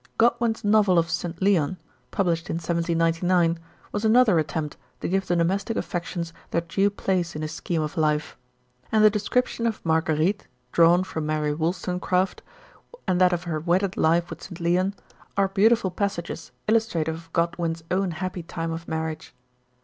Godwin's novel of St. Leon, published in 1799, was another attempt to give the domestic affections their due place in his scheme of life ; and the descrip tion of Marguerite, drawn from Mary Wollstonecraft, and that of her wedded life with St. Leon, are beauti 26 MRS. SHELLEY. ful passages illustrative of Godwin's own happy time of marriage.